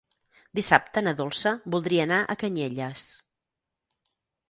Dissabte na Dolça voldria anar a Canyelles.